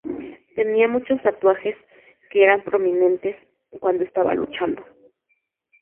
Tenía muchos tatuajes, que eran prominentes, cuando estaba luchando.